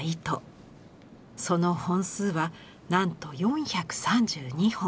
その本数はなんと４３２本。